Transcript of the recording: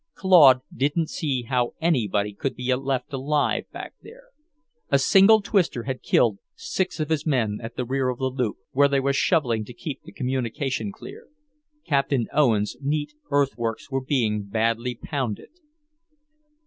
Claude didn't see how anybody could be left alive back there. A single twister had killed six of his men at the rear of the loop, where they were shovelling to keep the communication clear. Captain Owns' neat earthworks were being badly pounded.